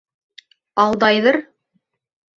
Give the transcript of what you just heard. Алдайҙыр.